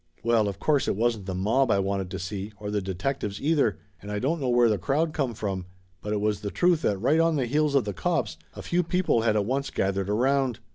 Well, of course it wasn't the mob I wanted to see or the detectives either, and I don't know where the crowd come from, but it was the truth that right on the heels of the cops a few people had at once gath ered around.